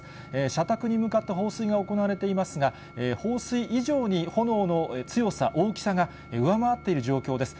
社宅に向かって放水が行われていますが、放水以上に炎の強さ、大きさが上回っている状況です。